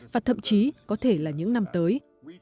và thậm chí có thể là những năm tới